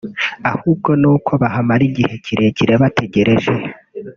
ahubwo ni uko bahamara igihe kirekire bategereje